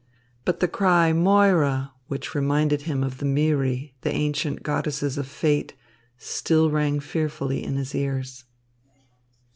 But the cry "Moira!" which reminded him of the Moeræ, the ancient goddesses of fate, still rang fearfully in his ears.